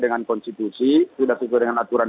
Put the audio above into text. dengan konstitusi sudah sesuai dengan aturan